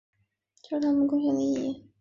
这就是他们的贡献和意义。